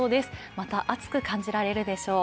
また暑く感じられるでしょう。